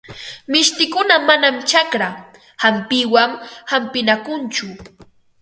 Mishtikuna manam chakra hampiwan hampinakunchu.